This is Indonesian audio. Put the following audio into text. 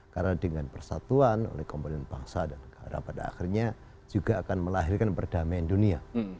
karena dengan persatuan oleh komponen bangsa dan negara pada akhirnya juga akan melahirkan perdamaian dunia